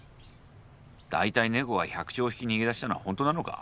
大体ネコが１００兆匹逃げ出したのは本当なのか？